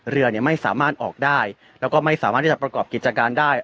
เรือไม่สามารถออกได้แล้วก็ไม่สามารถที่จะประกอบกิจการได้